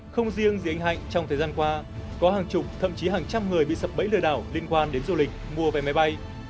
không riêng gì anh hạnh trong thời gian qua có hàng chục thậm chí hàng trăm người bị sập bẫy lừa đảo liên quan đến du lịch mua vé máy bay